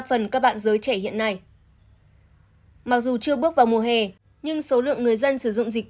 phần các bạn giới trẻ hiện nay mặc dù chưa bước vào mùa hè nhưng số lượng người dân sử dụng dịch